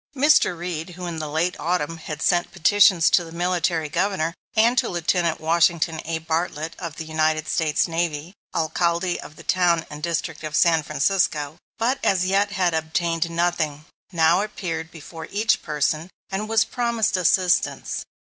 Mr. Reed, who in the late Autumn had sent petitions to the Military Governor and to Lieutenant Washington A. Bartlett of the United States Navy, Alcalde of the town and district of San Francisco, but as yet had obtained nothing, now appeared before each in person, and was promised assistance.